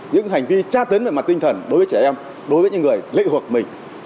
những hành vi tra tấn về mặt tinh thần đối với trẻ em đối với những người lệ hoặc mình